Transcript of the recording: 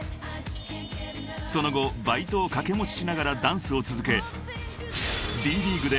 ［その後バイトを掛け持ちしながらダンスを続け］